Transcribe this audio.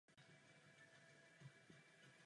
Obvodní lékař vedl i domácí lékárnu.